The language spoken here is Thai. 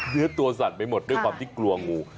เนื้อตัวสั่นไปหมดด้วยความที่กลัวงู